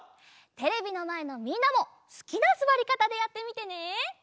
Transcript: テレビのまえのみんなもすきなすわりかたでやってみてね！